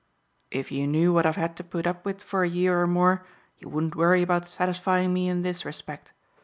"If you knew what I've had to put up with for a year or more, you wouldn't worry about satisfying me in this respect.